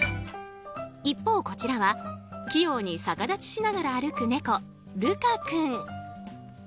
一方、こちらは器用に逆立ちしながら歩く猫、ルカ君。